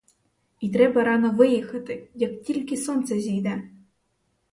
І треба рано виїхати, як тільки сонце зійде!